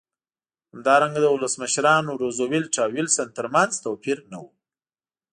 همدارنګه د ولسمشرانو روزولټ او ویلسن ترمنځ توپیر نه و.